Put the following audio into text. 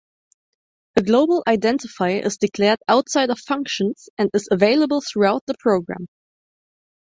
A global identifier is declared outside of functions and is available throughout the program.